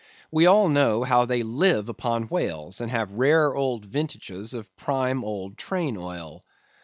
We all know how they live upon whales, and have rare old vintages of prime old train oil.